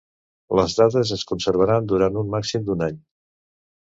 Les dades es conservaran durant un màxim d'un any.